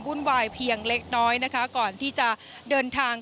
วุ่นวายเพียงเล็กน้อยนะคะก่อนที่จะเดินทาง